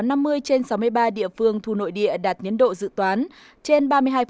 trên sáu mươi ba địa phương thu nội địa đạt nhiến độ dự toán trên ba mươi hai